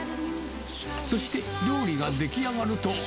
そして、料理が出来上がると。